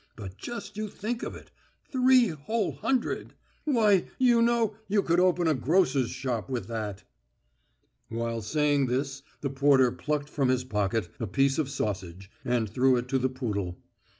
but just you think of it. Three whole hundred! Why, you know, you could open a grocer's shop with that...." Whilst saying this the porter plucked from his pocket a piece of sausage, and threw it to the poodle.